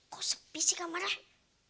kok sepi sih kamarnya